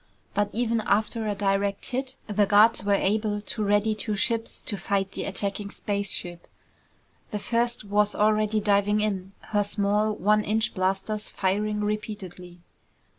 But even after a direct hit, the guards were able to ready two ships to fight the attacking spaceship. The first was already diving in, her small one inch blasters firing repeatedly.